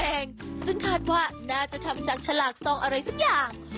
ถึงหนวดสีแดงซึ่งคาดว่าน่าจะทำจากฉลากซองอะไรสักอย่าง